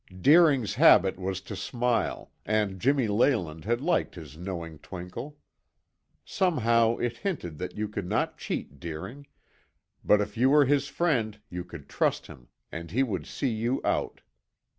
Deering's habit was to smile, and Jimmy Leyland had liked his knowing twinkle. Somehow it hinted that you could not cheat Deering, but if you were his friend you could trust him, and he would see you out.